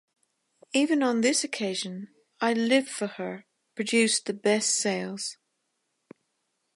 Even on this occasion “I Live for Her” produced the best sales.